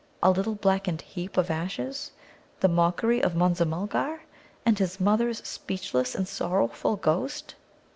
A little blackened heap of ashes, the mockery of Munza mulgar, and his mother's speechless and sorrowful ghost.